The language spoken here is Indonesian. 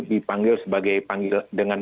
dipanggil sebagai dengan